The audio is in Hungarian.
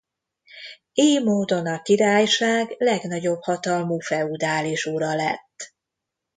Ily módon a királyság legnagyobb hatalmú feudális ura lett.